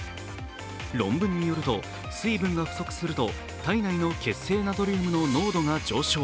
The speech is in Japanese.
論文によると水分が不足すると体内の血清ナトリウムの濃度が上昇。